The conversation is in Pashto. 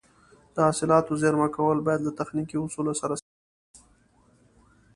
د حاصلاتو زېرمه کول باید له تخنیکي اصولو سره سم وي.